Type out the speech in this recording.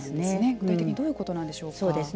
具体的にどういうことなんでしょうか。